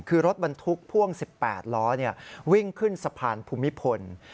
คือรถบรรทุกพ่วง๑๘ล้อวิ่งขึ้นสะพานภูมิพล